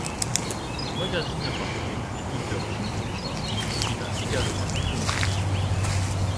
Le magazine appartient à l'éditeur Shinchōsha qui l'a également fondé.